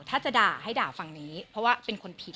ถ้าจะด่าให้ด่าฝั่งนี้เพราะว่าเป็นคนผิด